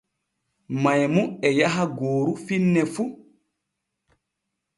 Maymu e yaha gooru finne fu.